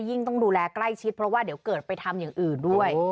ต้องดูแลใกล้ชิดเพราะว่าเดี๋ยวเกิดไปทำอย่างอื่นด้วย